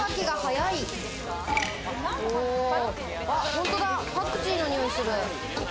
本当だ、パクチーのにおいする。